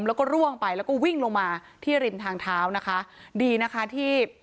แล้วก็ร่วงไปแล้วก็วิ่งลงมาที่ริมทางเท้านะคะดีนะคะที่